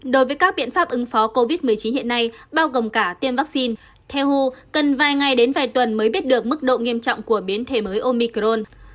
đối với các biện pháp ứng phó covid một mươi chín hiện nay bao gồm cả tiêm vaccine theo hou cần vài ngày đến vài tuần mới biết được mức độ nghiêm trọng của biến thể mới omicron